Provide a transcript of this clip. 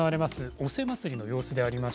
大瀬まつりの様子です。